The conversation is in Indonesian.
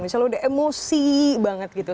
misalnya udah emosi banget gitu